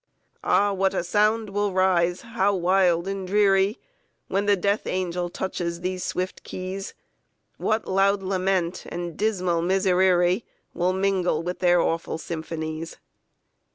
"Ah, what a sound will rise, how wild and dreary, When the Death angel touches these swift keys! What loud lament and dismal miserere Will mingle with their awful symphonies!"